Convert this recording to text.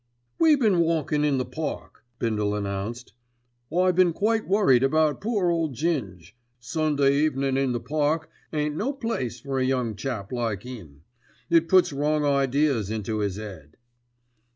"We been walkin' in the Park," Bindle announced. "I been quite worried about poor old Ging. Sunday evenin' in the Park ain't no place for a young chap like 'im. It puts wrong ideas into 'is 'ead."